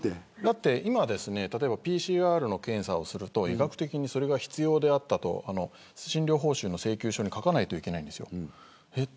今、例えばＰＣＲの検査をすると医学的にそれが必要だったと診療報酬の請求書に書かなければいけないんです。